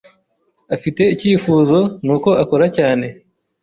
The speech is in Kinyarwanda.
Afite icyifuzo, nuko akora cyane.